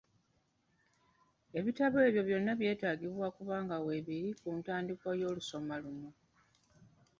Ebitabo ebyo byonna byetaagibwa okuba nga weebiri ku ntandikwa y'olusoma luno.